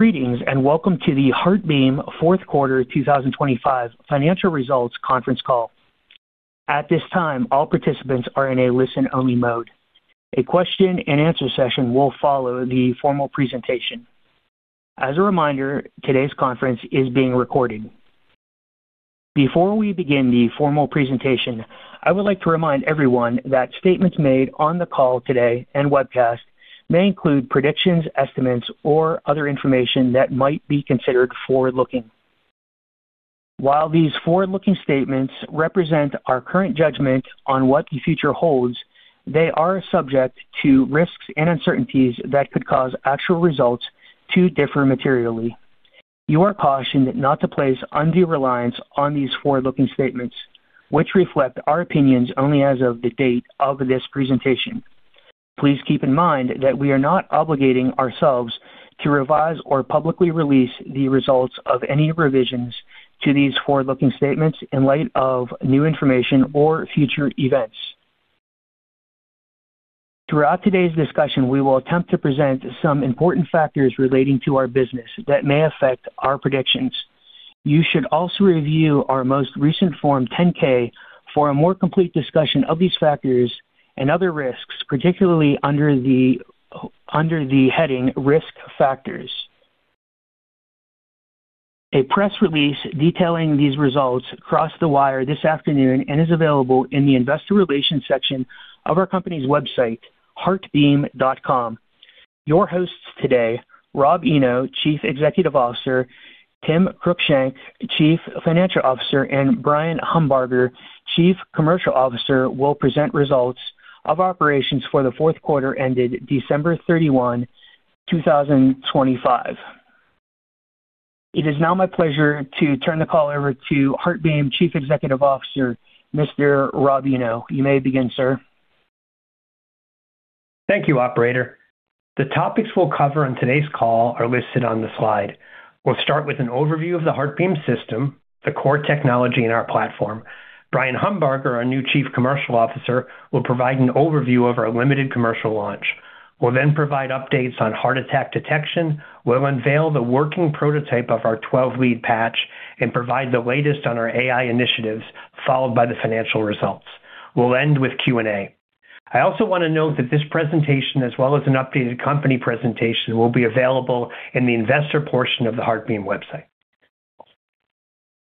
Greetings, and welcome to the HeartBeam Q4 2025 financial results conference call. At this time, all participants are in a listen-only mode. A question-and-answer session will follow the formal presentation. As a reminder, today's conference is being recorded. Before we begin the formal presentation, I would like to remind everyone that statements made on the call today and webcast may include predictions, estimates, or other information that might be considered forward-looking. While these forward-looking statements represent our current judgment on what the future holds, they are subject to risks and uncertainties that could cause actual results to differ materially. You are cautioned not to place undue reliance on these forward-looking statements, which reflect our opinions only as of the date of this presentation. Please keep in mind that we are not obligating ourselves to revise or publicly release the results of any revisions to these forward-looking statements in light of new information or future events. Throughout today's discussion, we will attempt to present some important factors relating to our business that may affect our predictions. You should also review our most recent Form 10-K for a more complete discussion of these factors and other risks, particularly under the heading Risk Factors. A press release detailing these results crossed the wire this afternoon and is available in the investor relations section of our company's website, heartbeam.com. Your hosts today, Robert Eno, Chief Executive Officer, Timothy Cruickshank, Chief Financial Officer, and Bryan Humbarger, Chief Commercial Officer, will present results of operations for the Q4 ended December 31, 2025. It is now my pleasure to turn the call over to HeartBeam Chief Executive Officer, Mr. Robert Eno. You may begin, sir. Thank you, operator. The topics we'll cover on today's call are listed on the slide. We'll start with an overview of the HeartBeam System, the core technology in our platform. Bryan Humbarger, our new Chief Commercial Officer, will provide an overview of our limited commercial launch. We'll then provide updates on heart attack detection. We'll unveil the working prototype of our 12-lead patch and provide the latest on our AI initiatives, followed by the financial results. We'll end with Q&A. I also wanna note that this presentation, as well as an updated company presentation, will be available in the investor portion of the HeartBeam website.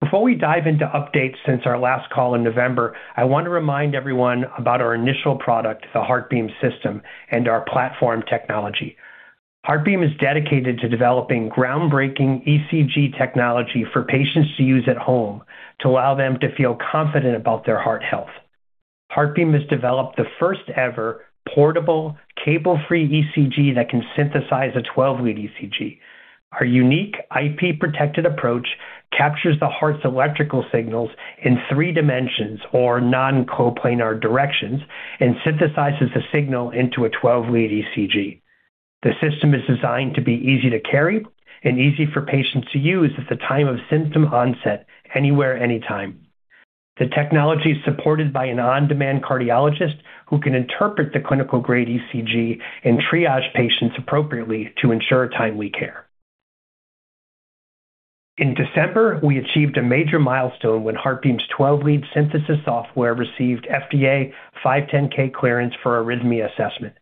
Before we dive into updates since our last call in November, I want to remind everyone about our initial product, the HeartBeam System, and our platform technology. HeartBeam is dedicated to developing groundbreaking ECG technology for patients to use at home to allow them to feel confident about their heart health. HeartBeam has developed the first-ever portable cable-free ECG that can synthesize a 12-lead ECG. Our unique IP-protected approach captures the heart's electrical signals in 3 dimensions or non-coplanar directions and synthesizes the signal into a 12-lead ECG. The system is designed to be easy to carry and easy for patients to use at the time of symptom onset anywhere, anytime. The technology is supported by an on-demand cardiologist who can interpret the clinical grade ECG and triage patients appropriately to ensure timely care. In December, we achieved a major milestone when HeartBeam's 12-lead synthesis software received FDA 510(k) clearance for arrhythmia assessment.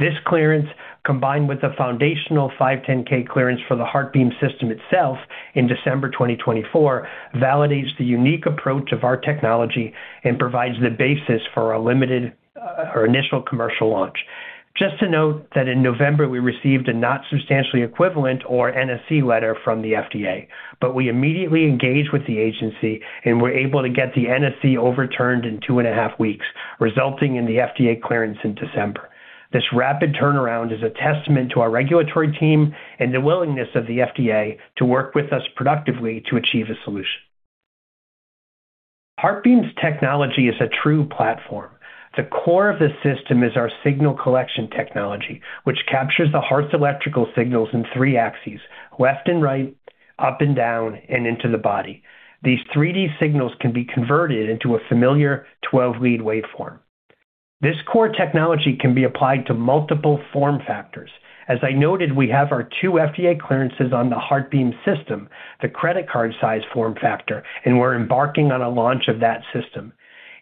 This clearance, combined with the foundational 510(k) clearance for the HeartBeam System itself in December 2024, validates the unique approach of our technology and provides the basis for a limited, or initial commercial launch. Just to note that in November, we received a not substantially equivalent or NSE letter from the FDA, but we immediately engaged with the agency and were able to get the NSE overturned in 2.5 weeks, resulting in the FDA clearance in December. This rapid turnaround is a testament to our regulatory team and the willingness of the FDA to work with us productively to achieve a solution. HeartBeam's technology is a true platform. The core of the system is our signal collection technology, which captures the heart's electrical signals in three axes, left and right, up and down, and into the body. These 3D signals can be converted into a familiar 12-lead waveform. This core technology can be applied to multiple form factors. As I noted, we have our two FDA clearances on the HeartBeam system, the credit card size form factor, and we're embarking on a launch of that system.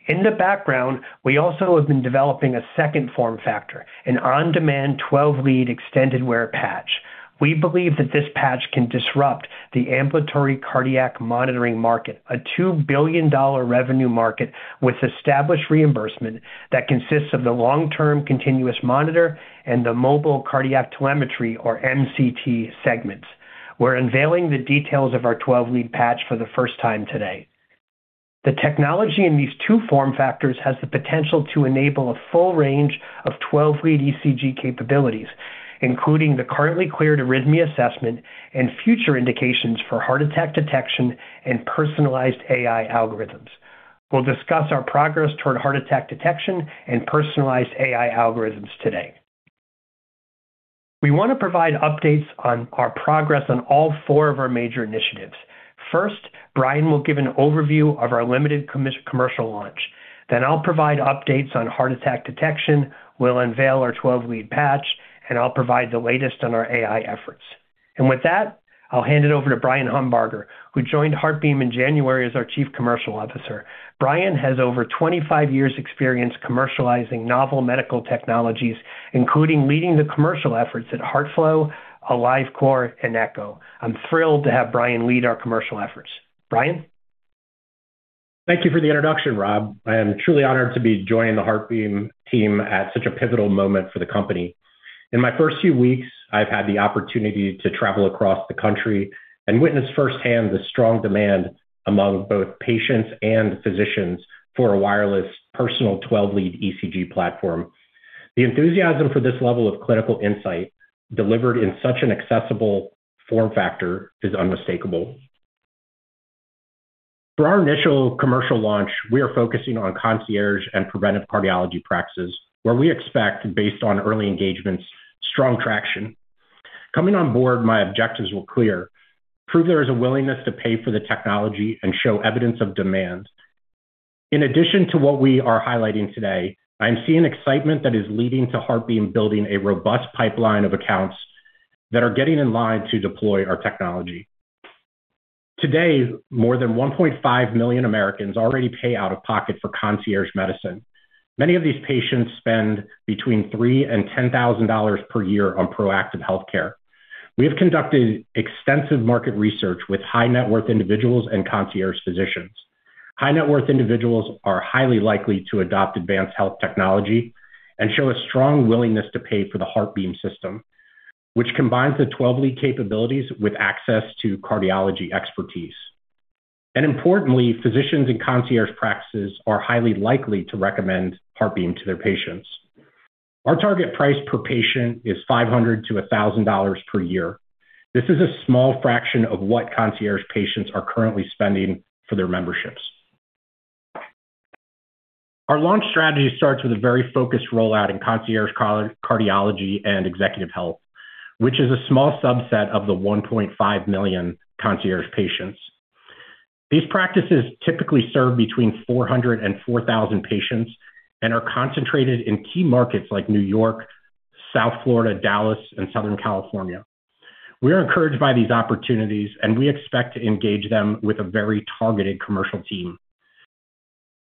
In the background, we also have been developing a second form factor, an on-demand 12-lead extended wear patch. We believe that this patch can disrupt the ambulatory cardiac monitoring market, a $2 billion revenue market with established reimbursement that consists of the long-term continuous monitor and the mobile cardiac telemetry or MCT segments. We're unveiling the details of our 12-lead patch for the first time today. The technology in these two form factors has the potential to enable a full range of 12-lead ECG capabilities, including the currently cleared arrhythmia assessment and future indications for heart attack detection and personalized AI algorithms. We'll discuss our progress toward heart attack detection and personalized AI algorithms today. We wanna provide updates on our progress on all four of our major initiatives. First, Bryan will give an overview of our limited commercial launch. Then I'll provide updates on heart attack detection, we'll unveil our 12-lead patch, and I'll provide the latest on our AI efforts. With that, I'll hand it over to Bryan Humbarger, who joined HeartBeam in January as our Chief Commercial Officer. Bryan has over 25 years' experience commercializing novel medical technologies, including leading the commercial efforts at HeartFlow, AliveCor, and Eko. I'm thrilled to have Bryan lead our commercial efforts. Bryan. Thank you for the introduction, Rob. I am truly honored to be joining the HeartBeam team at such a pivotal moment for the company. In my first few weeks, I've had the opportunity to travel across the country and witness firsthand the strong demand among both patients and physicians for a wireless personal twelve-lead ECG platform. The enthusiasm for this level of clinical insight delivered in such an accessible form factor is unmistakable. For our initial commercial launch, we are focusing on concierge and preventive cardiology practices, where we expect, based on early engagements, strong traction. Coming on board, my objectives were clear. Prove there is a willingness to pay for the technology and show evidence of demand. In addition to what we are highlighting today, I'm seeing excitement that is leading to HeartBeam building a robust pipeline of accounts that are getting in line to deploy our technology. Today, more than 1.5 million Americans already pay out of pocket for concierge medicine. Many of these patients spend between $3,000-$10,000 per year on proactive healthcare. We have conducted extensive market research with high-net-worth individuals and concierge physicians. High-net-worth individuals are highly likely to adopt advanced health technology and show a strong willingness to pay for the HeartBeam system, which combines the 12-lead capabilities with access to cardiology expertise. Importantly, physicians in concierge practices are highly likely to recommend HeartBeam to their patients. Our target price per patient is $500-$1,000 per year. This is a small fraction of what concierge patients are currently spending for their memberships. Our launch strategy starts with a very focused rollout in concierge cardiology and executive health, which is a small subset of the 1.5 million concierge patients. These practices typically serve between 400 and 4,000 patients and are concentrated in key markets like New York, South Florida, Dallas, and Southern California. We are encouraged by these opportunities, and we expect to engage them with a very targeted commercial team.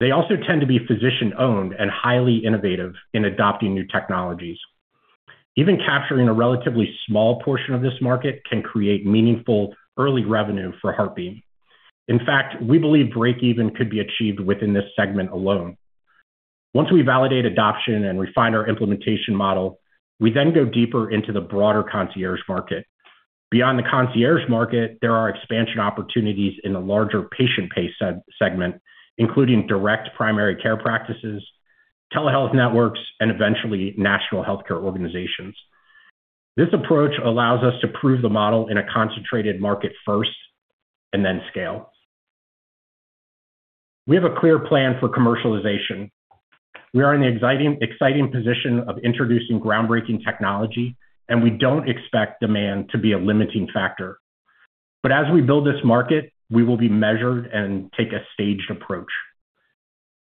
They also tend to be physician-owned and highly innovative in adopting new technologies. Even capturing a relatively small portion of this market can create meaningful early revenue for HeartBeam. In fact, we believe break even could be achieved within this segment alone. Once we validate adoption and refine our implementation model, we then go deeper into the broader concierge market. Beyond the concierge market, there are expansion opportunities in the larger patient-based segment, including direct primary care practices, telehealth networks, and eventually national healthcare organizations. This approach allows us to prove the model in a concentrated market first and then scale. We have a clear plan for commercialization. We are in the exciting position of introducing groundbreaking technology, and we don't expect demand to be a limiting factor. As we build this market, we will be measured and take a staged approach.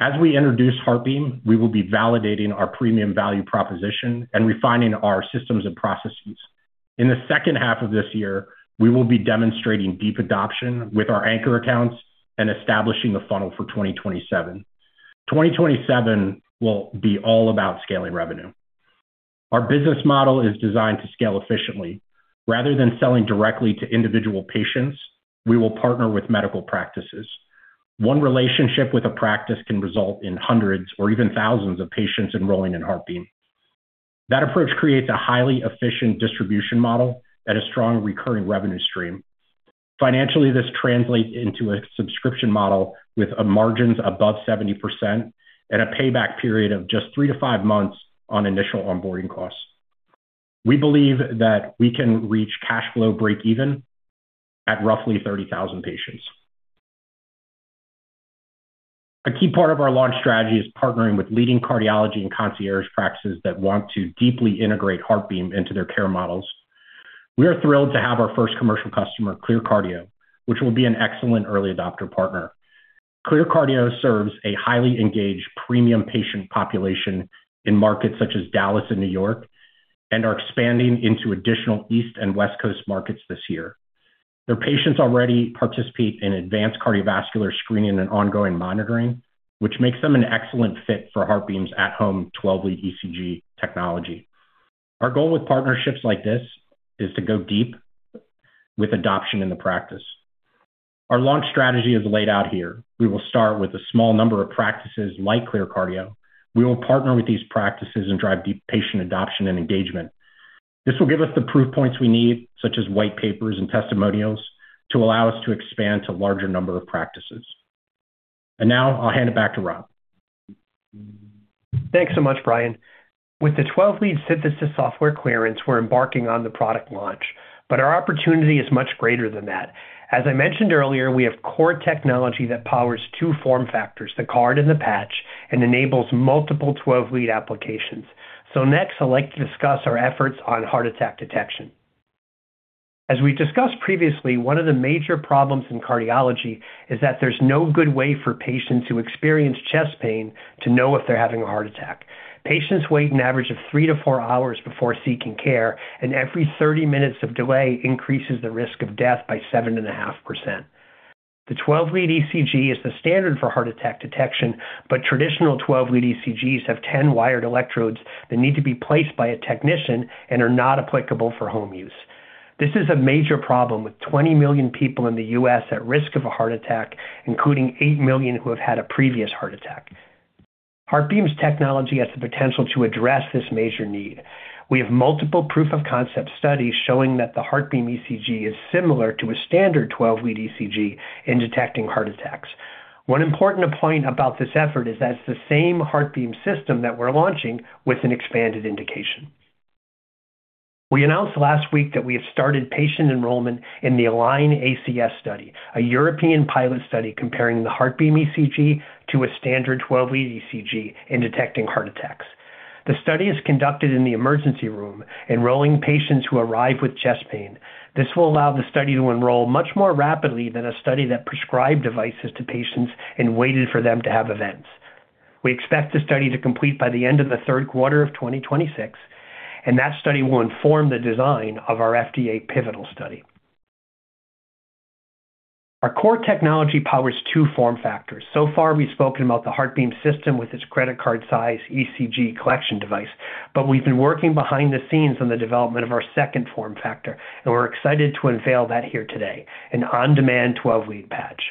As we introduce HeartBeam, we will be validating our premium value proposition and refining our systems and processes. In the second half of this year, we will be demonstrating deep adoption with our anchor accounts and establishing a funnel for 2027. 2027 will be all about scaling revenue. Our business model is designed to scale efficiently. Rather than selling directly to individual patients, we will partner with medical practices. One relationship with a practice can result in hundreds or even thousands of patients enrolling in HeartBeam. That approach creates a highly efficient distribution model and a strong recurring revenue stream. Financially, this translates into a subscription model with margins above 70% and a payback period of just 3-5 months on initial onboarding costs. We believe that we can reach cash flow breakeven at roughly 30,000 patients. A key part of our launch strategy is partnering with leading cardiology and concierge practices that want to deeply integrate HeartBeam into their care models. We are thrilled to have our first commercial customer, ClearCardio, which will be an excellent early adopter partner. ClearCardio serves a highly engaged premium patient population in markets such as Dallas and New York and are expanding into additional East Coast and West Coast markets this year. Their patients already participate in advanced cardiovascular screening and ongoing monitoring, which makes them an excellent fit for HeartBeam's at-home 12-lead ECG technology. Our goal with partnerships like this is to go deep with adoption in the practice. Our launch strategy is laid out here. We will start with a small number of practices like ClearCardio. We will partner with these practices and drive deep patient adoption and engagement. This will give us the proof points we need, such as white papers and testimonials, to allow us to expand to a larger number of practices. Now I'll hand it back to Rob. Thanks so much, Bryan. With the 12-lead synthesis software clearance, we're embarking on the product launch, but our opportunity is much greater than that. As I mentioned earlier, we have core technology that powers two form factors, the card and the patch, and enables multiple 12-lead applications. Next, I'd like to discuss our efforts on heart attack detection. As we discussed previously, one of the major problems in cardiology is that there's no good way for patients who experience chest pain to know if they're having a heart attack. Patients wait an average of 3-4 hours before seeking care, and every 30 minutes of delay increases the risk of death by 7.5%. The 12-lead ECG is the standard for heart attack detection, but traditional 12-lead ECGs have 10 wired electrodes that need to be placed by a technician and are not applicable for home use. This is a major problem, with 20 million people in the U.S. at risk of a heart attack, including 8 million who have had a previous heart attack. HeartBeam's technology has the potential to address this major need. We have multiple proof-of-concept studies showing that the HeartBeam ECG is similar to a standard 12-lead ECG in detecting heart attacks. One important point about this effort is that it's the same HeartBeam system that we're launching with an expanded indication. We announced last week that we have started patient enrollment in the ALIGN-ACS study, a European pilot study comparing the HeartBeam ECG to a standard 12-lead ECG in detecting heart attacks. The study is conducted in the emergency room, enrolling patients who arrive with chest pain. This will allow the study to enroll much more rapidly than a study that prescribed devices to patients and waited for them to have events. We expect the study to complete by the end of the Q3 of 2026, and that study will inform the design of our FDA pivotal study. Our core technology powers two form factors. So far, we've spoken about the HeartBeam System with its credit card-sized ECG collection device, but we've been working behind the scenes on the development of our second form factor, and we're excited to unveil that here today, an on-demand 12-lead patch.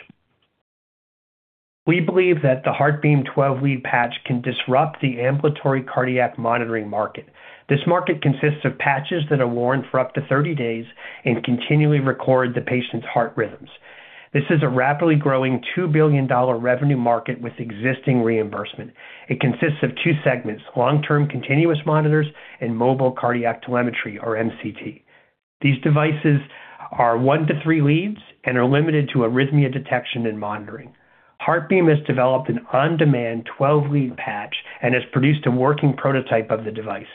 We believe that the HeartBeam 12-lead patch can disrupt the ambulatory cardiac monitoring market. This market consists of patches that are worn for up to 30 days and continually record the patient's heart rhythms. This is a rapidly growing $2 billion revenue market with existing reimbursement. It consists of two segments, long-term continuous monitors and mobile cardiac telemetry or MCT. These devices are 1-3 leads and are limited to arrhythmia detection and monitoring. HeartBeam has developed an on-demand 12-lead patch and has produced a working prototype of the device.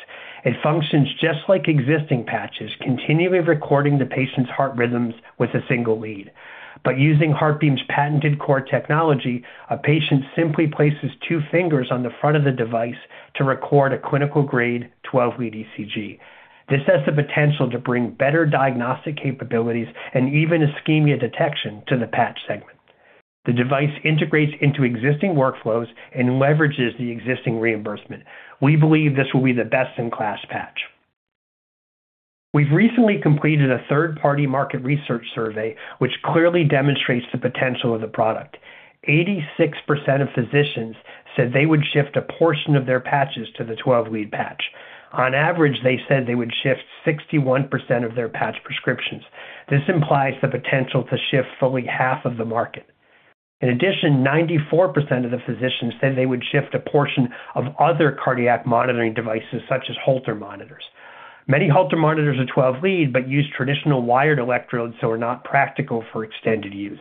It functions just like existing patches, continually recording the patient's heart rhythms with a single lead. By using HeartBeam's patented core technology, a patient simply places 2 fingers on the front of the device to record a clinical-grade 12-lead ECG. This has the potential to bring better diagnostic capabilities and even ischemia detection to the patch segment. The device integrates into existing workflows and leverages the existing reimbursement. We believe this will be the best-in-class patch. We've recently completed a third-party market research survey which clearly demonstrates the potential of the product. 86% of physicians said they would shift a portion of their patches to the 12-lead patch. On average, they said they would shift 61% of their patch prescriptions. This implies the potential to shift fully half of the market. In addition, 94% of the physicians said they would shift a portion of other cardiac monitoring devices, such as Holter monitors. Many Holter monitors are 12-lead, but use traditional wired electrodes, so are not practical for extended use.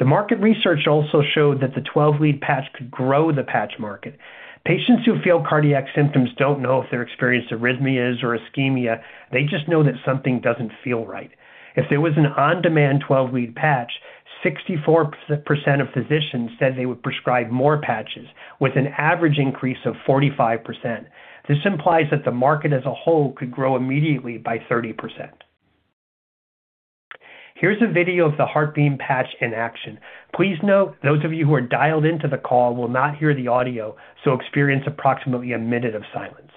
The market research also showed that the 12-lead patch could grow the patch market. Patients who feel cardiac symptoms don't know if they're experienced arrhythmias or ischemia. They just know that something doesn't feel right. If there was an on-demand 12-lead patch, 64% of physicians said they would prescribe more patches with an average increase of 45%. This implies that the market as a whole could grow immediately by 30%. Here's a video of the HeartBeam patch in action. Please note, those of you who are dialed into the call will not hear the audio, so experience approximately 1 minute of silence.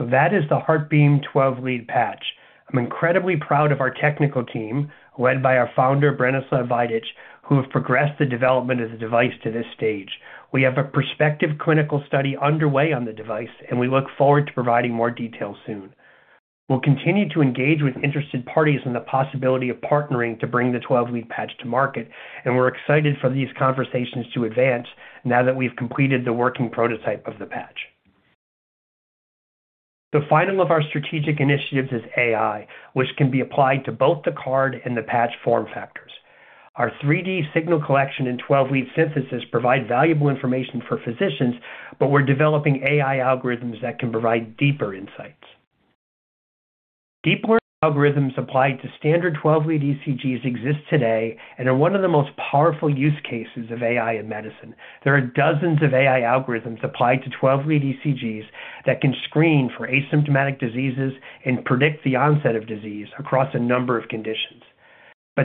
That is the HeartBeam 12-lead patch. I'm incredibly proud of our technical team, led by our founder, Branislav Vajdic, who have progressed the development of the device to this stage. We have a prospective clinical study underway on the device, and we look forward to providing more details soon. We'll continue to engage with interested parties on the possibility of partnering to bring the 12-lead patch to market, and we're excited for these conversations to advance now that we've completed the working prototype of the patch. The final of our strategic initiatives is AI, which can be applied to both the card and the patch form factors. Our 3-D signal collection and 12-lead synthesis provide valuable information for physicians, but we're developing AI algorithms that can provide deeper insights. Deep learning algorithms applied to standard 12-lead ECGs exist today and are one of the most powerful use cases of AI in medicine. There are dozens of AI algorithms applied to 12-lead ECGs that can screen for asymptomatic diseases and predict the onset of disease across a number of conditions.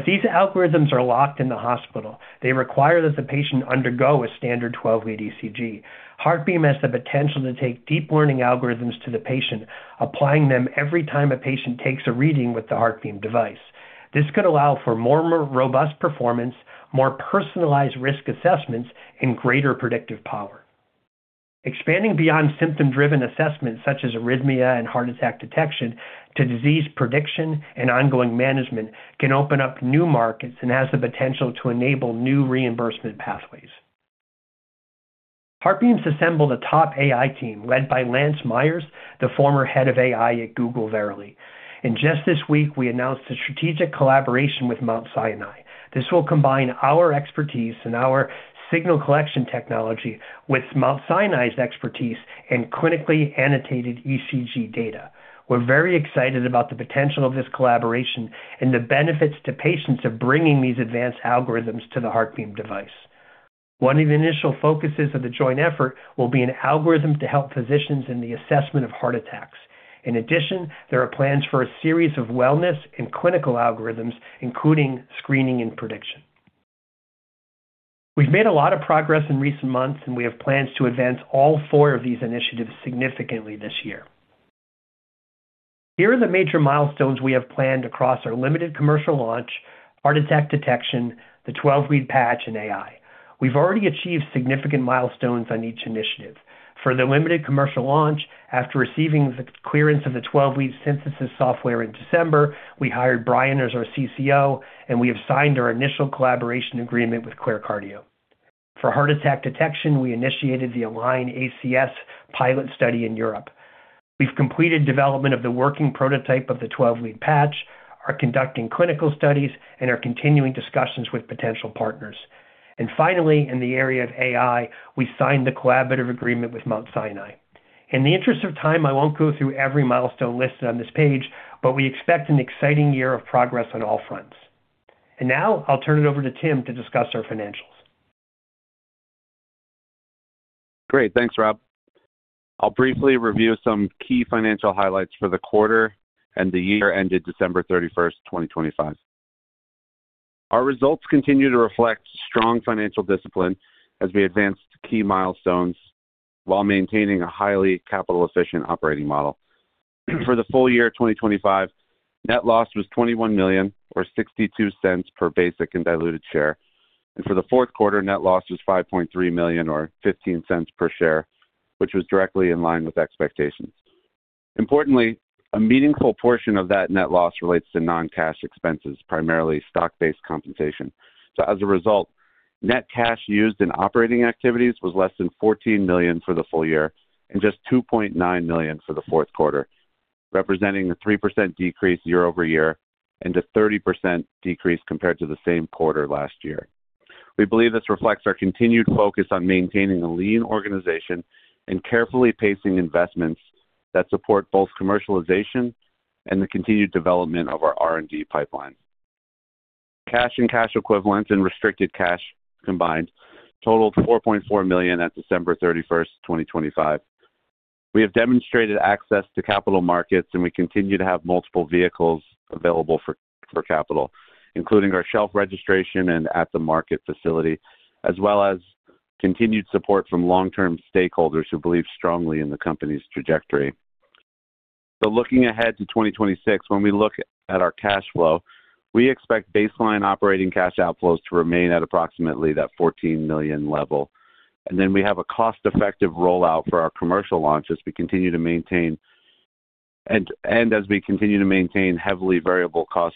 These algorithms are locked in the hospital. They require that the patient undergo a standard 12-lead ECG. HeartBeam has the potential to take deep learning algorithms to the patient, applying them every time a patient takes a reading with the HeartBeam device. This could allow for more robust performance, more personalized risk assessments, and greater predictive power. Expanding beyond symptom-driven assessments such as arrhythmia and heart attack detection to disease prediction and ongoing management can open up new markets and has the potential to enable new reimbursement pathways. HeartBeam's assembled a top AI team led by Lance Myers, the former head of AI at Verily. Just this week, we announced a strategic collaboration with Mount Sinai. This will combine our expertise and our signal collection technology with Mount Sinai's expertise in clinically annotated ECG data. We're very excited about the potential of this collaboration and the benefits to patients of bringing these advanced algorithms to the HeartBeam device. One of the initial focuses of the joint effort will be an algorithm to help physicians in the assessment of heart attacks. In addition, there are plans for a series of wellness and clinical algorithms, including screening and prediction. We've made a lot of progress in recent months, and we have plans to advance all four of these initiatives significantly this year. Here are the major milestones we have planned across our limited commercial launch, heart attack detection, the 12-lead patch, and AI. We've already achieved significant milestones on each initiative. For the limited commercial launch, after receiving the clearance of the 12-lead synthesis software in December, we hired Bryan as our CCO, and we have signed our initial collaboration agreement with ClearCardio. For heart attack detection, we initiated the ALIGN-ACS pilot study in Europe. We've completed development of the working prototype of the 12-lead patch, are conducting clinical studies, and are continuing discussions with potential partners. Finally, in the area of AI, we signed the collaborative agreement with Mount Sinai. In the interest of time, I won't go through every milestone listed on this page, but we expect an exciting year of progress on all fronts. Now I'll turn it over to Tim to discuss our financials. Great. Thanks, Rob. I'll briefly review some key financial highlights for the quarter and the year ended December 31, 2025. Our results continue to reflect strong financial discipline as we advanced key milestones while maintaining a highly capital-efficient operating model. For the full year 2025, net loss was $21 million or $0.62 per basic and diluted share. For the Q4, net loss was $5.3 million or $0.15 per share, which was directly in line with expectations. Importantly, a meaningful portion of that net loss relates to non-cash expenses, primarily stock-based compensation. As a result, net cash used in operating activities was less than $14 million for the full year and just $2.9 million for the Q4 representing a 3% decrease year-over-year and a 30% decrease compared to the same quarter last year. We believe this reflects our continued focus on maintaining a lean organization and carefully pacing investments that support both commercialization and the continued development of our R&D pipeline. Cash and cash equivalents and restricted cash combined totaled $4.4 million at December 31, 2025. We have demonstrated access to capital markets, and we continue to have multiple vehicles available for capital, including our shelf registration and at-the-market facility, as well as continued support from long-term stakeholders who believe strongly in the company's trajectory. Looking ahead to 2026, when we look at our cash flow, we expect baseline operating cash outflows to remain at approximately that $14 million level. Then we have a cost-effective rollout for our commercial launch as we continue to maintain heavily variable cost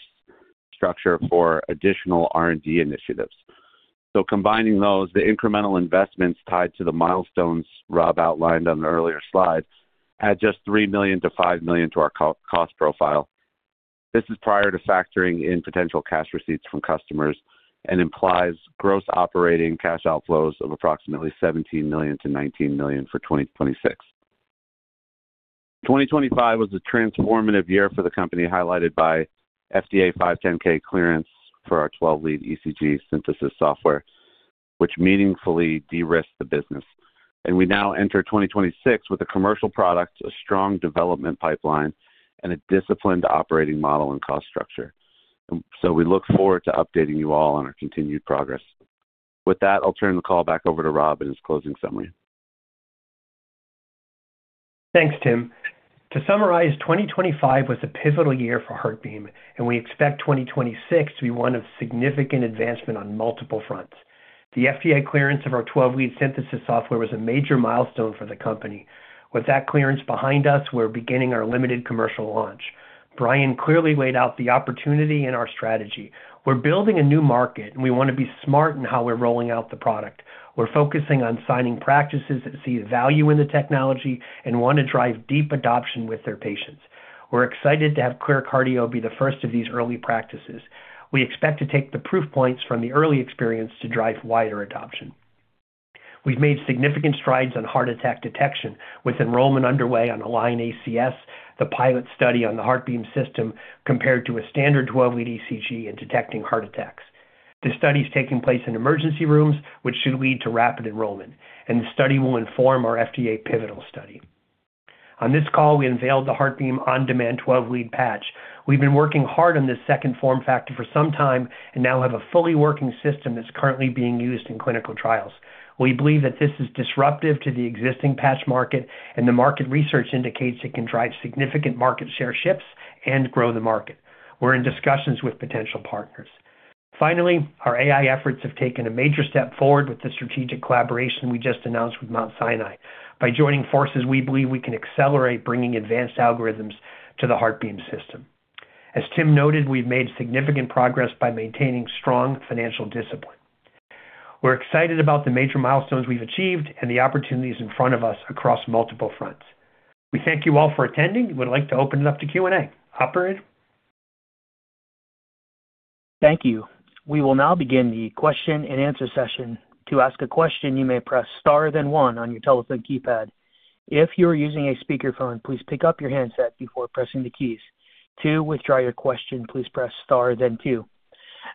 structure for additional R&D initiatives. Combining those, the incremental investments tied to the milestones Rob outlined on the earlier slides add just $3 million-$5 million to our cash-cost profile. This is prior to factoring in potential cash receipts from customers and implies gross operating cash outflows of approximately $17 million-$19 million for 2026. 2025 was a transformative year for the company, highlighted by FDA 510(k) clearance for our 12-lead ECG synthesis software, which meaningfully de-risked the business. We now enter 2026 with a commercial product, a strong development pipeline, and a disciplined operating model and cost structure. We look forward to updating you all on our continued progress. With that, I'll turn the call back over to Rob and his closing summary. Thanks, Tim. To summarize, 2025 was a pivotal year for HeartBeam, and we expect 2026 to be one of significant advancement on multiple fronts. The FDA clearance of our 12-lead synthesis software was a major milestone for the company. With that clearance behind us, we're beginning our limited commercial launch. Bryan clearly laid out the opportunity and our strategy. We're building a new market, and we wanna be smart in how we're rolling out the product. We're focusing on signing practices that see value in the technology and wanna drive deep adoption with their patients. We're excited to have ClearCardio be the first of these early practices. We expect to take the proof points from the early experience to drive wider adoption. We've made significant strides on heart attack detection with enrollment underway on ALIGN-ACS, the pilot study on the HeartBeam System, compared to a standard 12-lead ECG in detecting heart attacks. This study is taking place in emergency rooms, which should lead to rapid enrollment, and the study will inform our FDA pivotal study. On this call, we unveiled the HeartBeam on-demand 12-lead patch. We've been working hard on this second form factor for some time and now have a fully working system that's currently being used in clinical trials. We believe that this is disruptive to the existing patch market, and the market research indicates it can drive significant market share shifts and grow the market. We're in discussions with potential partners. Finally, our AI efforts have taken a major step forward with the strategic collaboration we just announced with Mount Sinai. By joining forces, we believe we can accelerate bringing advanced algorithms to the HeartBeam System. As Tim noted, we've made significant progress by maintaining strong financial discipline. We're excited about the major milestones we've achieved and the opportunities in front of us across multiple fronts. We thank you all for attending. We'd like to open it up to Q&A. Operator? Thank you. We will now begin the question-and-answer session. To ask a question, you may press star, then one on your telephone keypad. If you are using a speakerphone, please pick up your handset before pressing the keys. To withdraw your question, please press star then two.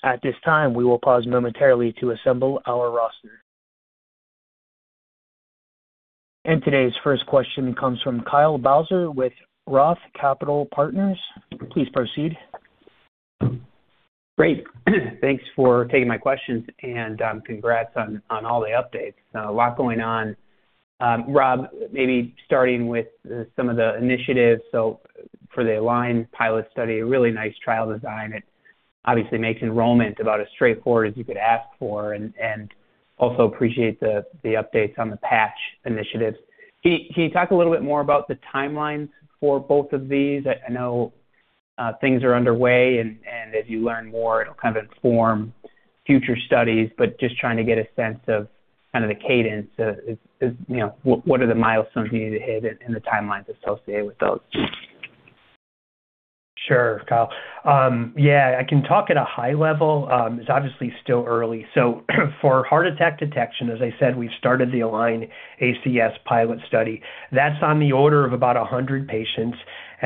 At this time, we will pause momentarily to assemble our roster. Today's first question comes from Kyle Bauser with Roth Capital Partners. Please proceed. Great. Thanks for taking my questions and congrats on all the updates. A lot going on. Rob, maybe starting with some of the initiatives. For the ALIGN pilot study, really nice trial design. It obviously makes enrollment about as straightforward as you could ask for. Also appreciate the updates on the patch initiatives. Can you talk a little bit more about the timeline for both of these? I know things are underway, and as you learn more, it'll kind of inform future studies, but just trying to get a sense of kind of the cadence. You know, what are the milestones you need to hit and the timelines associated with those? Sure, Kyle. Yeah, I can talk at a high level. It's obviously still early. For heart attack detection, as I said, we've started the ALIGN-ACS pilot study. That's on the order of about 100 patients.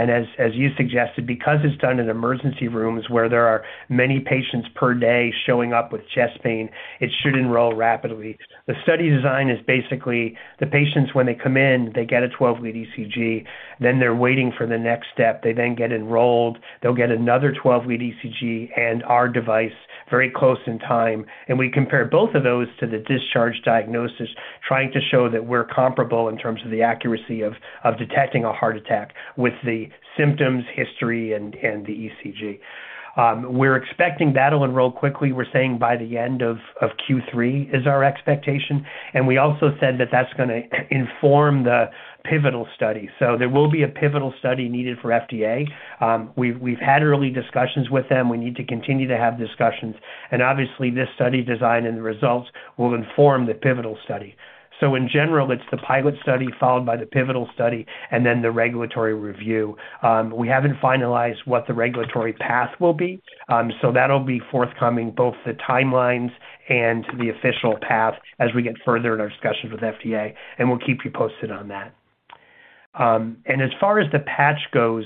As you suggested, because it's done in emergency rooms where there are many patients per day showing up with chest pain, it should enroll rapidly. The study design is basically the patients, when they come in, they get a 12-lead ECG, then they're waiting for the next step. They then get enrolled. They'll get another 12-lead ECG and our device very close in time. We compare both of those to the discharge diagnosis, trying to show that we're comparable in terms of the accuracy of detecting a heart attack with the symptoms, history and the ECG. We're expecting that'll enroll quickly. We're saying by the end of Q3 is our expectation. We also said that that's gonna inform the pivotal study. There will be a pivotal study needed for FDA. We've had early discussions with them. We need to continue to have discussions. Obviously this study design and the results will inform the pivotal study. In general, it's the pilot study followed by the pivotal study and then the regulatory review. We haven't finalized what the regulatory path will be. That'll be forthcoming, both the timelines and the official path as we get further in our discussions with FDA, and we'll keep you posted on that. As far as the patch goes,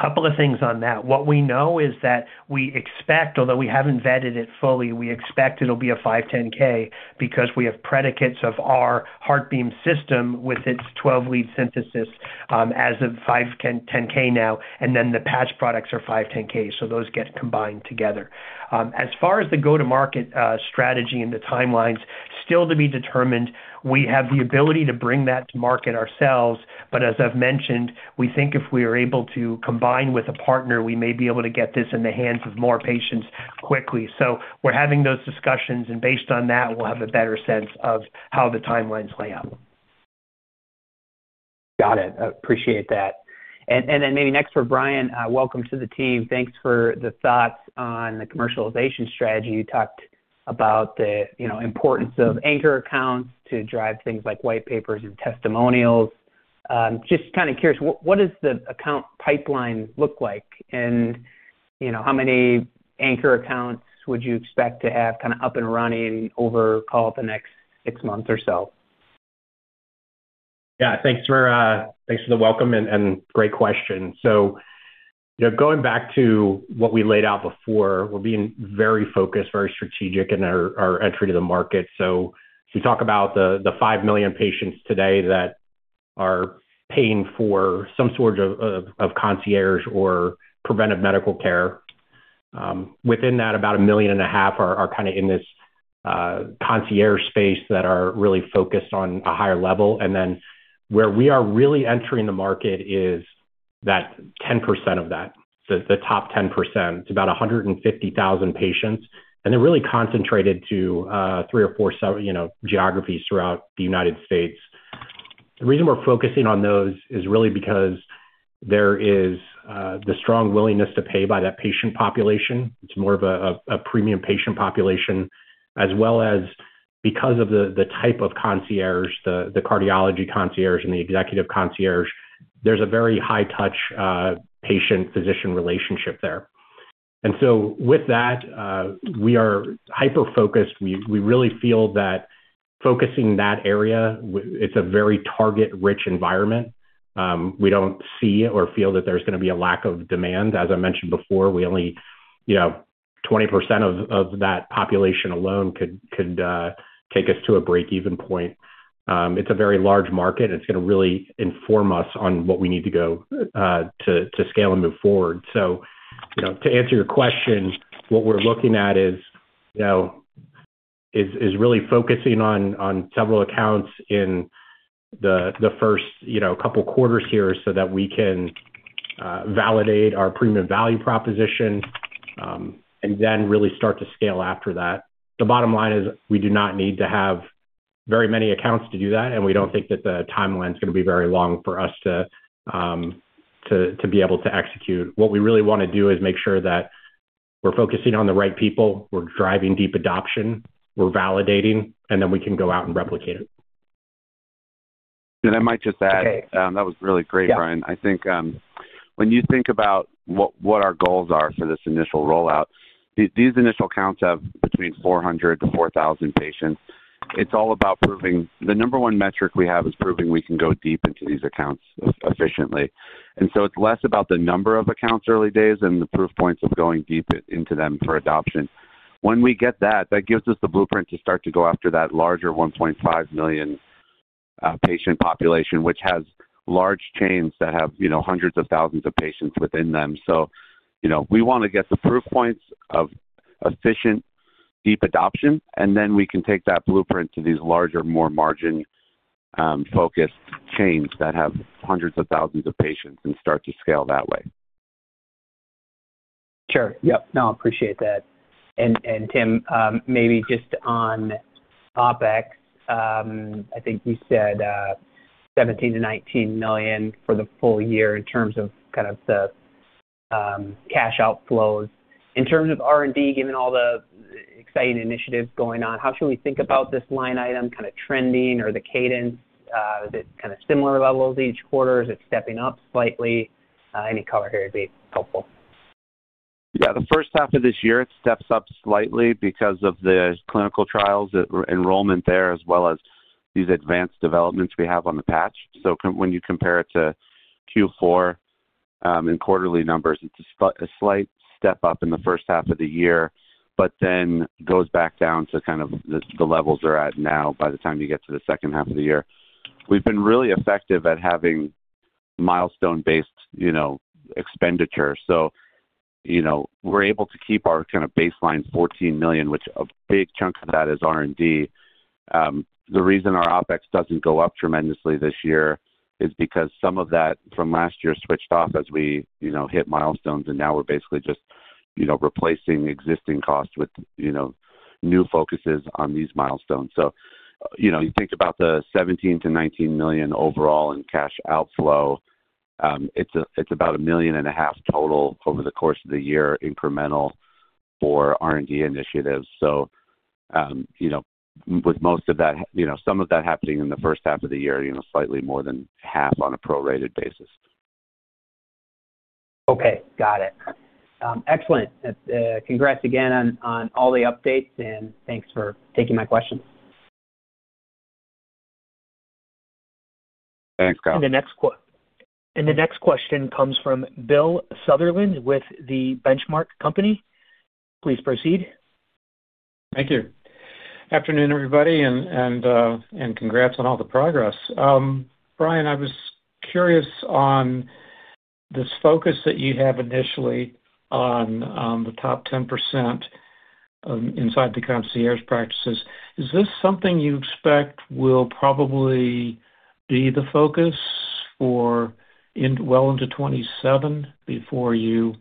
couple of things on that. What we know is that we expect, although we haven't vetted it fully, we expect it'll be a 510(k) because we have predicates of our HeartBeam System with its 12-lead synthesis, as a 510(k) now, and then the patch products are 510(k). Those get combined together. As far as the go-to-market strategy and the timelines, still to be determined. We have the ability to bring that to market ourselves. But as I've mentioned, we think if we are able to combine with a partner, we may be able to get this in the hands of more patients quickly. We're having those discussions, and based on that, we'll have a better sense of how the timelines play out. Got it. Appreciate that. Maybe next for Bryan. Welcome to the team. Thanks for the thoughts on the commercialization strategy. You talked about the, you know, importance of anchor accounts to drive things like white papers and testimonials. Just kind of curious, what does the account pipeline look like? You know, how many anchor accounts would you expect to have kind of up and running over, call it, the next six months or so? Yeah, thanks for the welcome and great question. You know, going back to what we laid out before, we're being very focused, very strategic in our entry to the market. If you talk about the 5 million patients today that are paying for some sort of concierge or preventive medical care, within that, about 1.5 million are kind of in this concierge space that are really focused on a higher level. Where we are really entering the market is that 10% of that, so the top 10%. It's about 150,000 patients, and they're really concentrated to 3 or 4, geographies throughout the United States. The reason we're focusing on those is really because there is the strong willingness to pay by that patient population. It's more of a premium patient population as well as because of the type of concierge, the concierge cardiology and the executive concierge. There's a very high touch patient-physician relationship there. With that, we are hyper-focused. We really feel that focusing that area it's a very target-rich environment. We don't see or feel that there's gonna be a lack of demand. As I mentioned before, we only, 20% of that population alone could take us to a break-even point. It's a very large market, and it's gonna really inform us on what we need to go to scale and move forward. You know, to answer your question, what we're looking at is really focusing on several accounts in the first couple quarters here so that we can validate our premium value proposition and then really start to scale after that. The bottom line is we do not need to have very many accounts to do that, and we don't think that the timeline is gonna be very long for us to be able to execute. What we really wanna do is make sure that we're focusing on the right people, we're driving deep adoption, we're validating, and then we can go out and replicate it. I might just add. Okay. That was really great, Bryan. Yeah. I think when you think about what our goals are for this initial rollout, these initial accounts have between 400-4,000 patients. It's all about proving. The number one metric we have is proving we can go deep into these accounts efficiently. It's less about the number of accounts early days and the proof points of going deep into them for adoption. When we get that gives us the blueprint to start to go after that larger 1.5 million patient population, which has large chains that have hundreds of thousands of patients within them. You know, we wanna get the proof points of efficient deep adoption, and then we can take that blueprint to these larger, more margin focused chains that have hundreds of thousands of patients and start to scale that way. Sure. Yep. No, I appreciate that. Tim, maybe just on OpEx, I think you said $17 million-$19 million for the full year in terms of kind of the cash outflows. In terms of R&D, given all the exciting initiatives going on, how should we think about this line item kinda trending or the cadence? Is it kinda similar levels each quarter? Is it stepping up slightly? Any color here would be helpful. Yeah. The first half of this year, it steps up slightly because of the clinical trials, the enrollment there, as well as these advanced developments we have on the patch. When you compare it to Q4 and quarterly numbers, it's a slight step up in the first half of the year but then goes back down to kind of the levels they're at now by the time you get to the second half of the year. We've been really effective at having milestone-based, expenditure. You know, we're able to keep our kinda baseline $14 million, which a big chunk of that is R&D. The reason our OpEx doesn't go up tremendously this year is because some of that from last year switched off as we, hit milestones, and now we're basically just, replacing existing costs with, new focuses on these milestones. You know, you think about the $17 million-$19 million overall in cash outflow, it's a, it's about $1.5 million total over the course of the year incremental for R&D initiatives. You know, with most of that, some of that happening in the first half of the year, slightly more than half on a prorated basis. Okay. Got it. Excellent. Congrats again on all the updates, and thanks for taking my questions. Thanks, Kyle. The next question comes from Bill Sutherland with The Benchmark Company. Please proceed. Thank you. Afternoon, everybody. Congrats on all the progress. Bryan, I was curious on this focus that you have initially on the top 10%, inside the concierge practices. Is this something you expect will probably be the focus for well into 2027 before you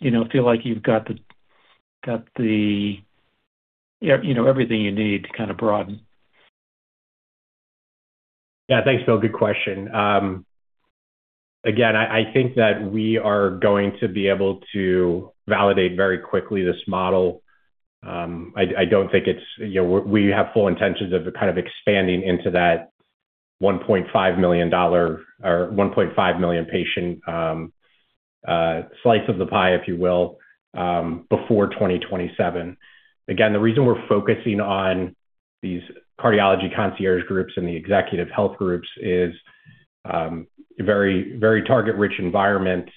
know, feel like you've got the, everything you need to kinda broaden? Yeah. Thanks, Bill. Good question. Again, I think that we are going to be able to validate very quickly this model. I don't think it's. You know, we have full intentions of kind of expanding into that $1.5 million or 1.5 million patient slice of the pie, if you will, before 2027. Again, the reason we're focusing on these cardiology concierge groups and the executive health groups is very target-rich environment,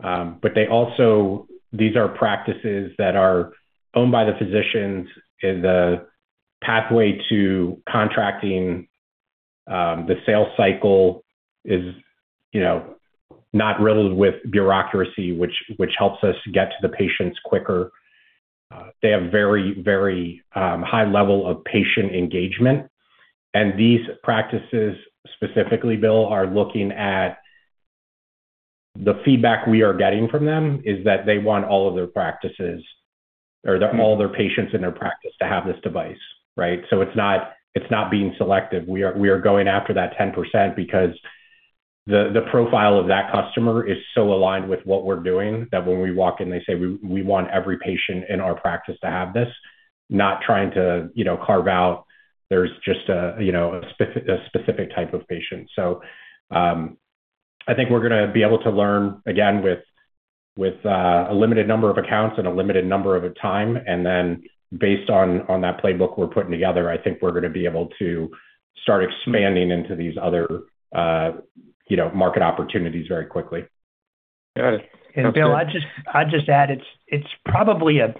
but they also. These are practices that are owned by the physicians, and the pathway to contracting the sales cycle is, not riddled with bureaucracy, which helps us get to the patients quicker. They have very high level of patient engagement. These practices, specifically, Bill, are looking at the feedback we are getting from them is that they want all of their practices or all their patients in their practice to have this device, right? It's not being selective. We are going after that 10% because the profile of that customer is so aligned with what we're doing that when we walk in, they say, "We want every patient in our practice to have this." Not trying to carve out there's just a, a specific type of patient. I think we're gonna be able to learn again with a limited number of accounts and a limited amount of time, and then based on that playbook we're putting together, I think we're gonna be able to start expanding into these other, market opportunities very quickly. Got it. That's great. Bill, I'd just add, it's probably a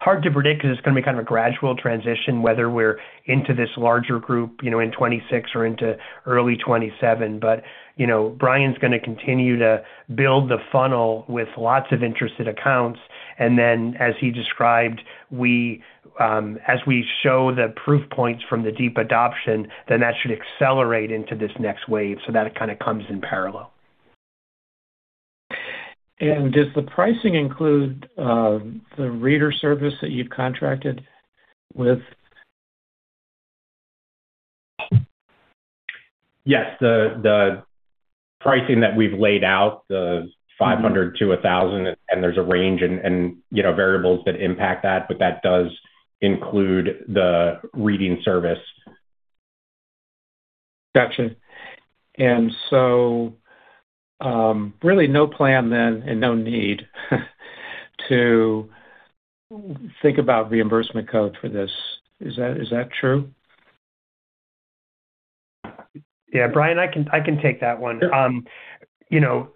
hard to predict 'cause it's gonna be kind of a gradual transition whether we're into this larger group, in 2026 or into early 2027. You know, Bryan's gonna continue to build the funnel with lots of interested accounts, and then as he described, we, as we show the proof points from the deep adoption, then that should accelerate into this next wave so that it kinda comes in parallel. Does the pricing include the reader service that you've contracted with? Yes. The pricing that we've laid out, the $500-$1,000, and there's a range and, variables that impact that, but that does include the reading service. Gotcha. Really no plan then and no need to think about reimbursement code for this. Is that true? Yeah. Bryan, I can take that one. You know,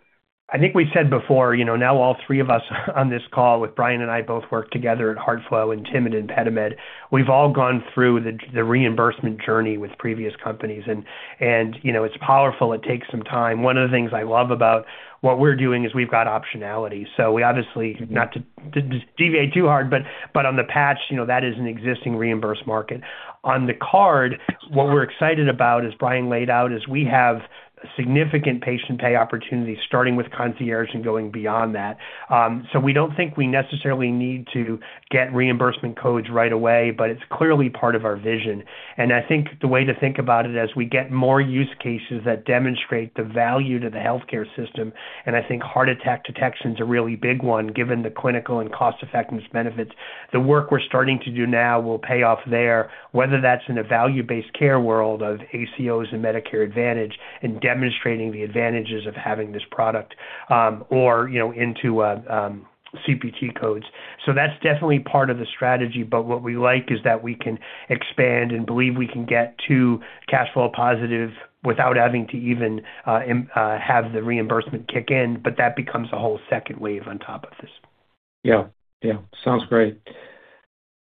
I think we said before, now all three of us on this call, with Bryan and I both work together at HeartFlow, and Tim at ImpediMed, we've all gone through the reimbursement journey with previous companies and it's powerful. It takes some time. One of the things I love about what we're doing is we've got optionality. We obviously, not to deviate too hard, but on the patch, that is an existing reimbursed market. On the card, what we're excited about, as Bryan laid out, is we have significant patient pay opportunities starting with concierge and going beyond that. We don't think we necessarily need to get reimbursement codes right away, but it's clearly part of our vision. I think the way to think about it as we get more use cases that demonstrate the value to the healthcare system, and I think heart attack detection's a really big one given the clinical and cost-effectiveness benefits. The work we're starting to do now will pay off there, whether that's in a value-based care world of ACOs and Medicare Advantage and demonstrating the advantages of having this product, or, into CPT codes. That's definitely part of the strategy, but what we like is that we can expand and believe we can get to cash flow positive without having to even have the reimbursement kick in. That becomes a whole second wave on top of this. Yeah. Sounds great.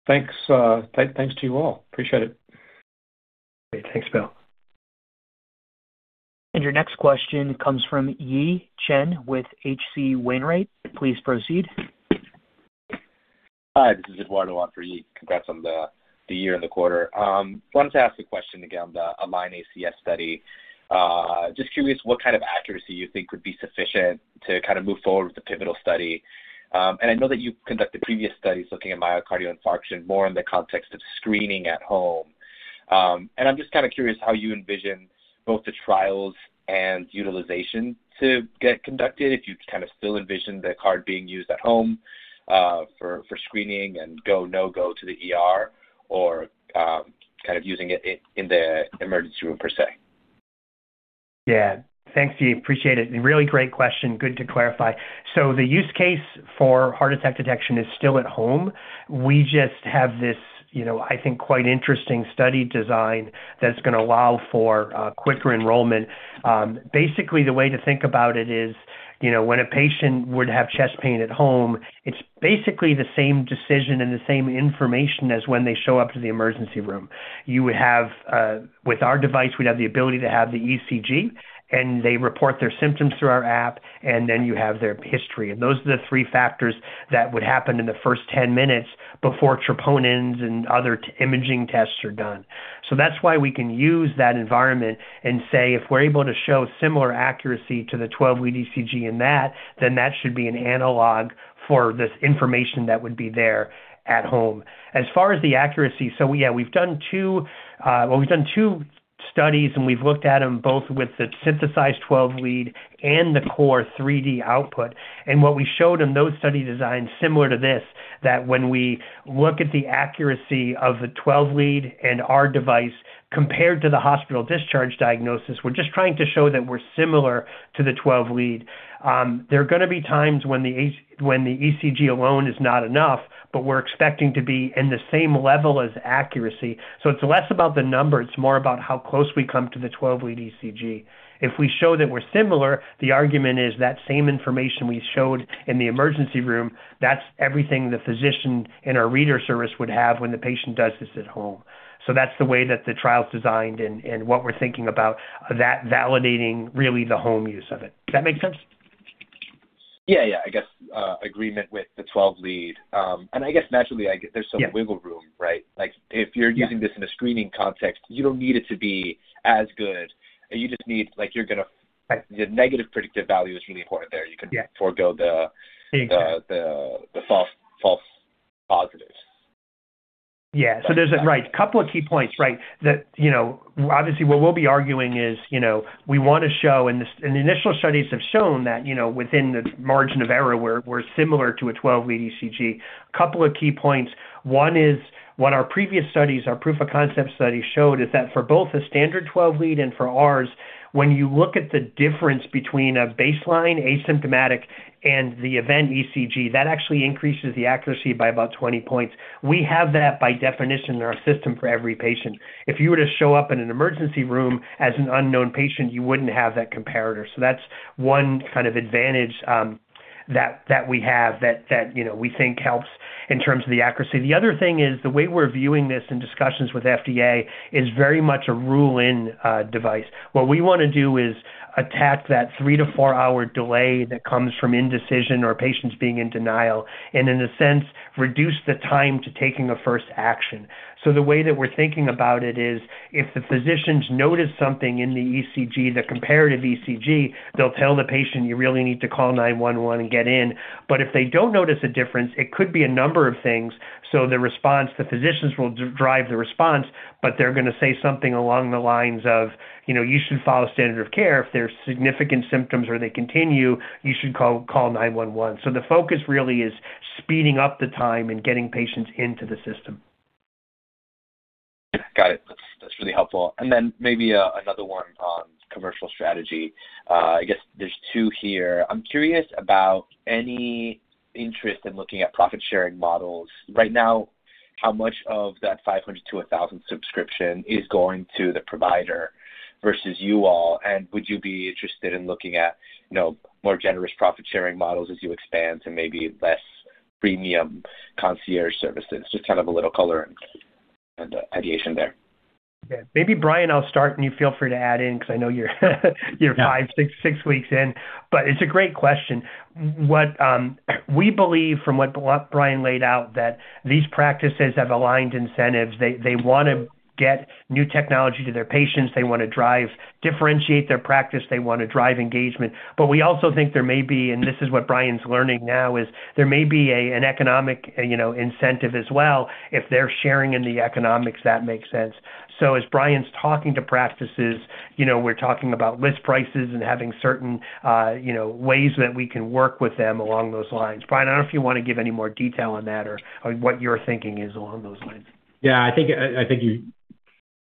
Thanks to you all. Appreciate it. Great. Thanks, Bill. Your next question comes from Yi Chen with H.C. Wainwright. Please proceed. Hi, this is Eduardo on for Yi. Congrats on the year and the quarter. Wanted to ask a question again on the ALIGN-ACS study. Just curious what kind of accuracy you think would be sufficient to kind of move forward with the pivotal study. I know that you've conducted previous studies looking at myocardial infarction more in the context of screening at home. I'm just kinda curious how you envision both the trials and utilization to get conducted if you kind of still envision the card being used at home, for screening and go, no go to the ER or kind of using it in the emergency room per se. Yeah. Thanks, Yi. Appreciate it. Really great question. Good to clarify. The use case for heart attack detection is still at home. We just have this, I think quite interesting study design that's gonna allow for quicker enrollment. Basically, the way to think about it is, when a patient would have chest pain at home, it's basically the same decision and the same information as when they show up to the emergency room. You would have, with our device, we'd have the ability to have the ECG, and they report their symptoms through our app, and then you have their history. Those are the three factors that would happen in the first 10 minutes before troponins and other imaging tests are done. That's why we can use that environment and say, if we're able to show similar accuracy to the 12-lead ECG in that, then that should be an analog for this information that would be there at home. As far as the accuracy, we've done two studies, and we've looked at them both with the synthesized 12-lead and the core 3-lead output. What we showed in those study designs similar to this, that when we look at the accuracy of the 12-lead and our device compared to the hospital discharge diagnosis, we're just trying to show that we're similar to the 12-lead. There are gonna be times when the ECG alone is not enough, but we're expecting to be in the same level as accuracy. It's less about the number, it's more about how close we come to the 12-lead ECG. If we show that we're similar, the argument is that same information we showed in the emergency room, that's everything the physician in our reader service would have when the patient does this at home. That's the way that the trial's designed and what we're thinking about that validating really the home use of it. Does that make sense? Yeah. I guess agreement with the 12-lead. I guess naturally I get there's some- Yeah. Wiggle room, right? Like if you're Yeah. Using this in a screening context, you don't need it to be as good, and you just need like, you're gonna. Right. The negative predictive value is really important there. Yeah. You can forego the- Exactly. the false positives. Yeah. There's a couple of key points, right? That, obviously what we'll be arguing is, we wanna show, and the initial studies have shown that, within the margin of error, we're similar to a 12-lead ECG. Couple of key points. One is what our previous studies, our proof-of-concept studies showed is that for both the standard 12-lead and for ours, when you look at the difference between a baseline asymptomatic and the event ECG, that actually increases the accuracy by about 20 points. We have that by definition in our system for every patient. If you were to show up in an emergency room as an unknown patient, you wouldn't have that comparator. That's one kind of advantage that we have that we think helps in terms of the accuracy. The other thing is the way we're viewing this in discussions with FDA is very much a rule-in device. What we wanna do is attack that 3-4-hour delay that comes from indecision or patients being in denial and, in a sense, reduce the time to taking a first action. The way that we're thinking about it is if the physicians notice something in the ECG, the comparative ECG, they'll tell the patient, "You really need to call 911 and get in." If they don't notice a difference, it could be a number of things. The response, the physicians will drive the response, but they're gonna say something along the lines of, "You should follow standard of care. If there's significant symptoms or they continue, you should call 911." The focus really is speeding up the time and getting patients into the system. Got it. That's really helpful. Then maybe another one on commercial strategy. I guess there's two here. I'm curious about any interest in looking at profit-sharing models. Right now, how much of that $500-$1,000 subscription is going to the provider versus you all, and would you be interested in looking at, more generous profit-sharing models as you expand to maybe less premium concierge services? Just kind of a little color and ideation there. Yeah. Maybe Bryan, I'll start, and you feel free to add in 'cause I know you're 5-6 weeks in, but it's a great question. What we believe from what Bryan laid out, that these practices have aligned incentives. They wanna get new technology to their patients. They wanna drive, differentiate their practice. They wanna drive engagement. We also think there may be, and this is what Bryan's learning now, is there may be an economic, incentive as well if they're sharing in the economics that makes sense. As Bryan's talking to practices, we're talking about list prices and having certain, ways that we can work with them along those lines. Bryan, I don't know if you wanna give any more detail on that or what your thinking is along those lines. Yeah. I think you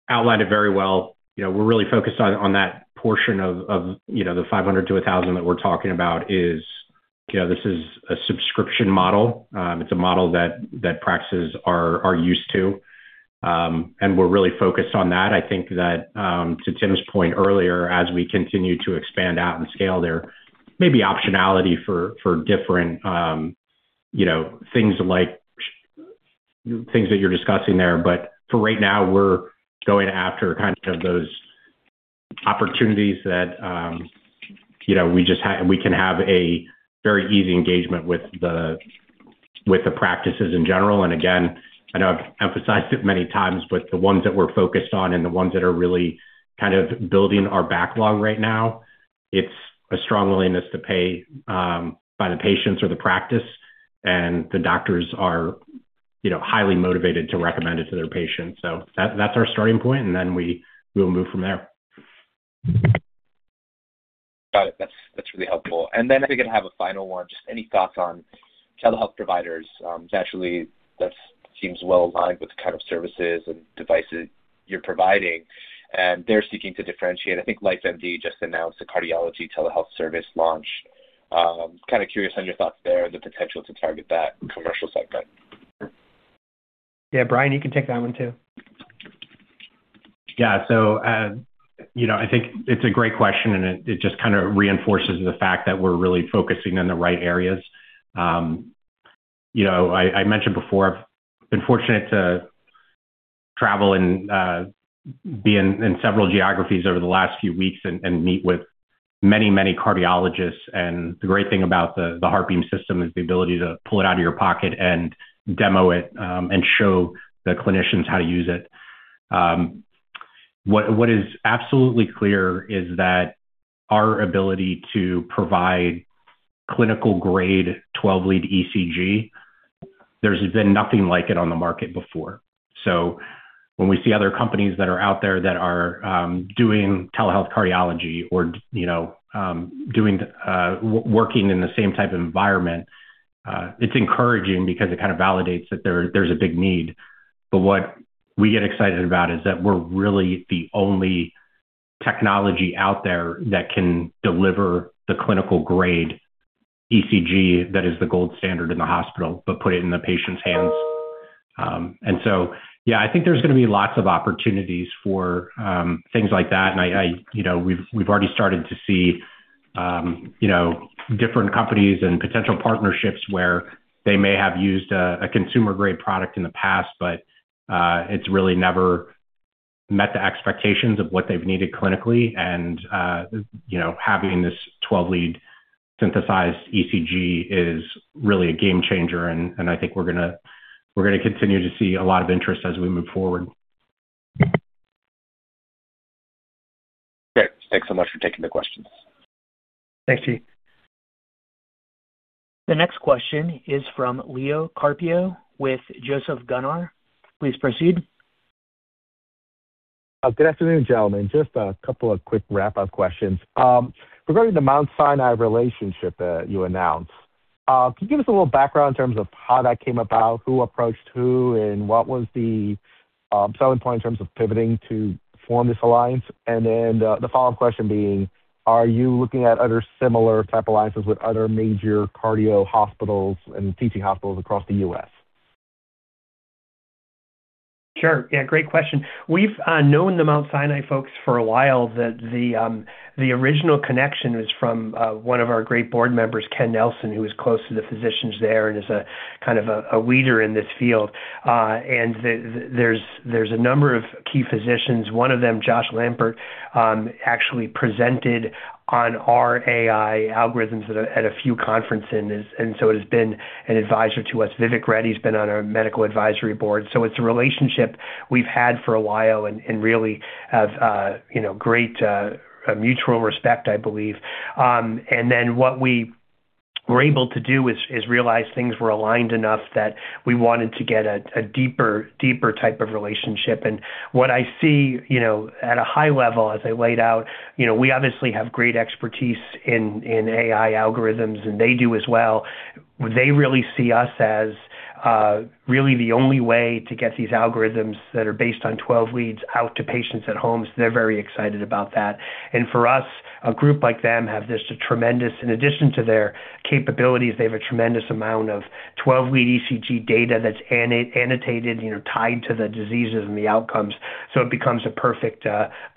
outlined it very well. You know, we're really focused on that portion of, the $500-$1,000 that we're talking about is, this is a subscription model. It's a model that practices are used to, and we're really focused on that. I think that, to Tim's point earlier, as we continue to expand out and scale there, maybe optionality for different, things like things that you're discussing there. But for right now, we're going after kind of those opportunities that, we can have a very easy engagement with the practices in general. Again, I know I've emphasized it many times, but the ones that we're focused on and the ones that are really kind of building our backlog right now, it's a strong willingness to pay by the patients or the practice, and the doctors are, highly motivated to recommend it to their patients. So that's our starting point, and then we'll move from there. Got it. That's really helpful. Then I think I have a final one. Just any thoughts on telehealth providers? Naturally that seems well aligned with the kind of services and devices you're providing, and they're seeking to differentiate. I think LifeMD just announced a cardiology telehealth service launch. Kind of curious on your thoughts there, the potential to target that commercial segment. Yeah. Bryan, you can take that one too. Yeah. You know, I think it's a great question, and it just kind of reinforces the fact that we're really focusing on the right areas. You know, I mentioned before I've been fortunate to travel and be in several geographies over the last few weeks and meet with many cardiologists. The great thing about the HeartBeam System is the ability to pull it out of your pocket and demo it and show the clinicians how to use it. What is absolutely clear is that our ability to provide clinical grade 12-lead ECG, there's been nothing like it on the market before. When we see other companies that are out there that are doing telehealth cardiology or, doing working in the same type of environment, it's encouraging because it kind of validates that there's a big need. What we get excited about is that we're really the only technology out there that can deliver the clinical grade ECG that is the gold standard in the hospital but put it in the patient's hands. Yeah, I think there's gonna be lots of opportunities for things like that. We've already started to see, different companies and potential partnerships where they may have used a consumer-grade product in the past, but it's really never met the expectations of what they've needed clinically. You know, having this 12-lead synthesized ECG is really a game changer, and I think we're gonna continue to see a lot of interest as we move forward. Great. Thanks so much for taking the questions. Thanks, Chi. The next question is from Leo Carpio with Joseph Gunnar & Co. Please proceed. Good afternoon, gentlemen. Just a couple of quick wrap-up questions. Regarding the Mount Sinai relationship that you announced, can you give us a little background in terms of how that came about, who approached who, and what was the selling point in terms of pivoting to form this alliance? The follow-up question being, are you looking at other similar type alliances with other major cardio hospitals and teaching hospitals across the U.S.? Sure. Yeah, great question. We've known the Mount Sinai folks for a while. The original connection was from one of our great board members, Ken Nelson, who is close to the physicians there and is a kind of a leader in this field. There's a number of key physicians. One of them, Joshua Lampert, actually presented on our AI algorithms at a few conferences, and so has been an advisor to us. Vivek Reddy's been on our medical advisory board. It's a relationship we've had for a while and really have great mutual respect, I believe. What we were able to do is realize things were aligned enough that we wanted to get a deeper type of relationship. What I see, at a high level as I laid out, we obviously have great expertise in AI algorithms, and they do as well. They really see us as really the only way to get these algorithms that are based on 12 leads out to patients at home, so they're very excited about that. For us, a group like them have just a tremendous amount of 12-lead ECG data that's annotated, tied to the diseases and the outcomes, so it becomes a perfect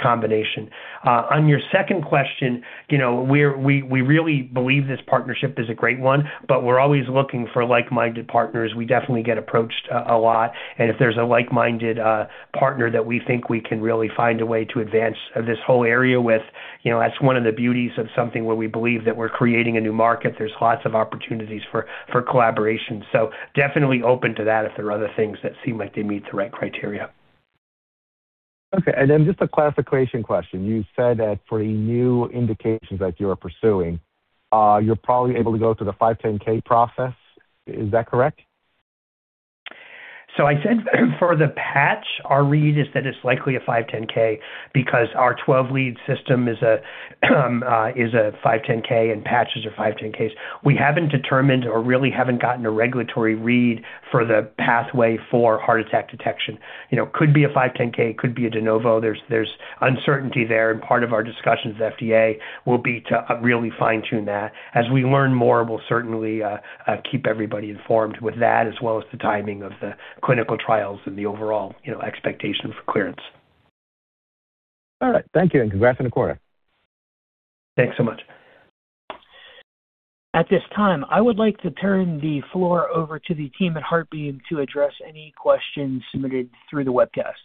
combination. On your second question, we really believe this partnership is a great one, but we're always looking for like-minded partners. We definitely get approached a lot. If there's a like-minded partner that we think we can really find a way to advance this whole area with, that's one of the beauties of something where we believe that we're creating a new market. There's lots of opportunities for collaboration. Definitely open to that if there are other things that seem like they meet the right criteria. Okay. Just a classification question. You said that for the new indications that you are pursuing, you're probably able to go through the 510(k) process. Is that correct? I said for the patch, our read is that it's likely a 510(k) because our 12-lead system is a 510(k) and patches are 510(k)s. We haven't determined or really haven't gotten a regulatory read for the pathway for heart attack detection. You know, could be a 510(k), could be a de novo. There's uncertainty there, and part of our discussions with FDA will be to really fine-tune that. As we learn more, we'll certainly keep everybody informed with that as well as the timing of the clinical trials and the overall, expectation for clearance. All right. Thank you, and congrats on the quarter. Thanks so much. At this time, I would like to turn the floor over to the team at HeartBeam to address any questions submitted through the webcast.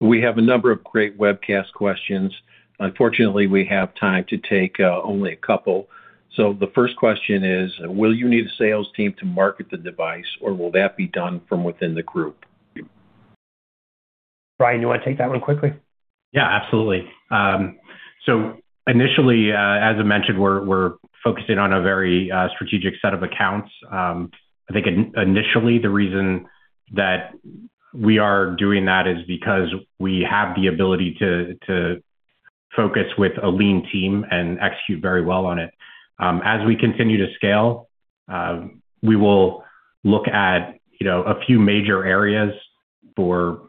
We have a number of great webcast questions. Unfortunately, we have time to take only a couple. The first question is, will you need a sales team to market the device, or will that be done from within the group? Bryan, do you wanna take that one quickly? Yeah, absolutely. Initially, as I mentioned, we're focusing on a very strategic set of accounts. I think initially the reason that we are doing that is because we have the ability to focus with a lean team and execute very well on it. As we continue to scale, we will look at, a few major areas for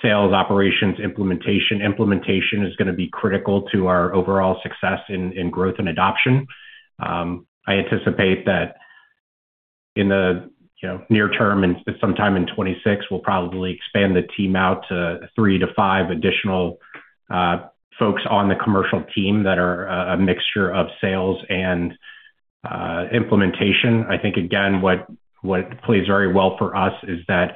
sales operations implementation. Implementation is gonna be critical to our overall success in growth and adoption. I anticipate that in the, near term and sometime in 2026, we'll probably expand the team out to three to five additional folks on the commercial team that are a mixture of sales and implementation. I think again, what plays very well for us is that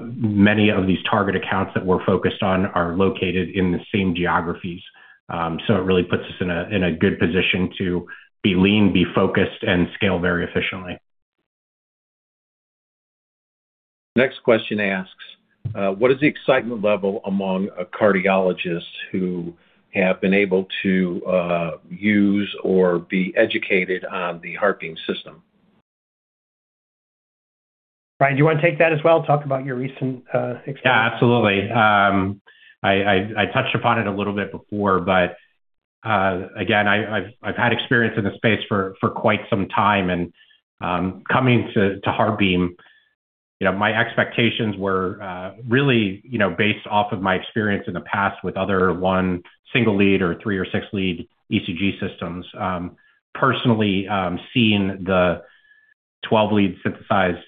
many of these target accounts that we're focused on are located in the same geographies. It really puts us in a good position to be lean, be focused, and scale very efficiently. Next question asks, what is the excitement level among cardiologists who have been able to use or be educated on the HeartBeam System? Bryan, do you wanna take that as well? Talk about your recent experience. Yeah, absolutely. I touched upon it a little bit before, but again, I've had experience in the space for quite some time and coming to HeartBeam, my expectations were really, based off of my experience in the past with other one single lead or 3- or 6-lead ECG systems. Personally, seeing the 12-lead synthesized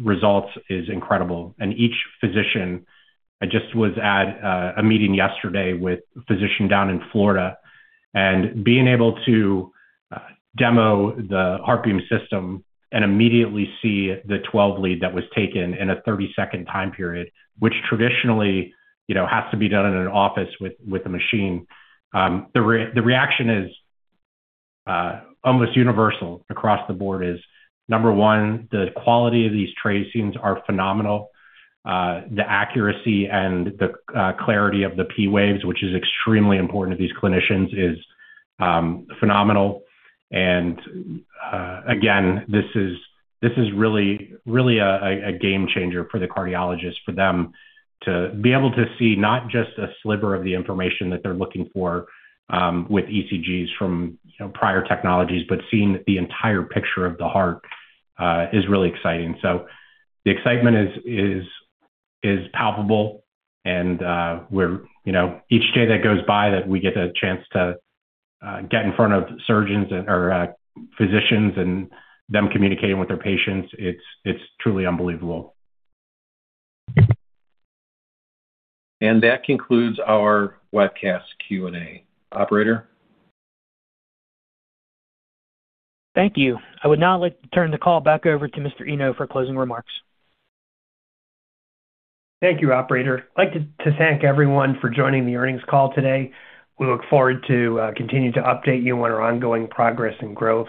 results is incredible. Each physician. I just was at a meeting yesterday with a physician down in Florida and being able to demo the HeartBeam System and immediately see the 12-lead that was taken in a 30-second time period, which traditionally, has to be done in an office with a machine. The reaction is almost universal across the board. Number one, the quality of these tracings are phenomenal. The accuracy and the clarity of the P waves, which is extremely important to these clinicians, is phenomenal. Again, this is really a game changer for the cardiologist, for them to be able to see not just a sliver of the information that they're looking for with ECGs from, prior technologies, but seeing the entire picture of the heart is really exciting. The excitement is palpable and, each day that goes by that we get a chance to get in front of surgeons or physicians and them communicating with their patients, it's truly unbelievable. That concludes our webcast Q&A. Operator? Thank you. I would now like to turn the call back over to Mr. Eno for closing remarks. Thank you, operator. I'd like to thank everyone for joining the earnings call today. We look forward to continuing to update you on our ongoing progress and growth.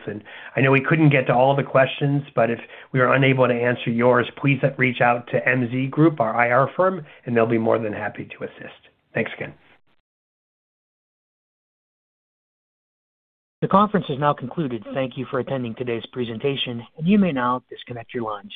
I know we couldn't get to all of the questions, but if we are unable to answer yours, please reach out to MZ Group, our IR firm, and they'll be more than happy to assist. Thanks again. The conference is now concluded. Thank you for attending today's presentation, and you may now disconnect your lines.